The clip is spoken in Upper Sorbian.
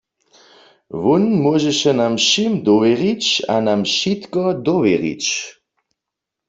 Wón móžeše nam wšěm dowěrić a nam wšitko dowěrić.